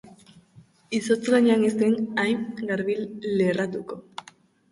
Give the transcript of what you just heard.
Izotz gainean ez zen hain garbi lerratuko.